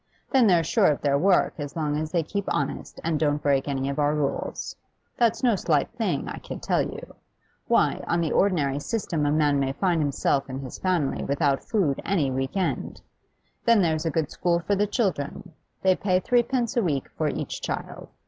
Then they're sure of their work as long as they keep honest and don't break any of our rules; that's no slight thing, I can tell you. Why, on the ordinary system a man may find himself and his family without food any week end. Then there's a good school for the children; they pay threepence a week for each child.